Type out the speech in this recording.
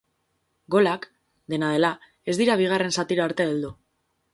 Golak, dena dela, ez dira bigarren zatira arte heldu.